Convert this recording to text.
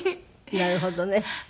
なるほどね。